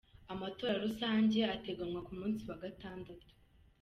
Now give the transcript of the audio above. Amatora rusangi ategekanywa ku munsi wa Gatandatu.